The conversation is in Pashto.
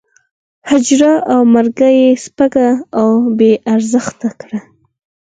حجره او مرکه یې سپکه او بې ارزښته کړه.